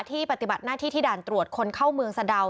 ปฏิบัติหน้าที่ที่ด่านตรวจคนเข้าเมืองสะดาว